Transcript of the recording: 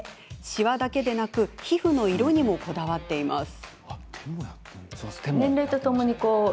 しわだけでなく皮膚の色にもこだわっています。